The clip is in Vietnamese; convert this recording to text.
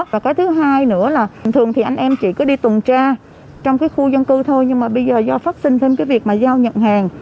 và cái thứ hai nữa là thường thì anh em chỉ có đi tuần tra trong cái khu dân cư thôi nhưng mà bây giờ do phát sinh thêm cái việc mà giao nhận hàng